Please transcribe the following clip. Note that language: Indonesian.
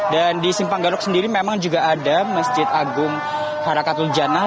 dan di simpang gadok sendiri memang juga ada masjid agung harakatul janah